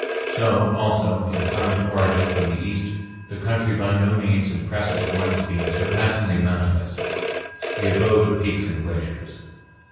So, also, in coming to Oregon from the east the country by no means impresses one as being surpassingly mountainous, the abode of peaks and glaciers.